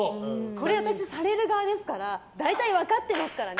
これ私、される側ですから大体分かってますからね